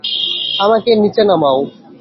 আমাকে নিচে নামাও!